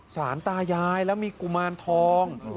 สารตายายแล้วมีกุมารทอง